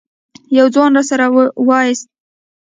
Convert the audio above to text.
يوه ځوان سر راويست.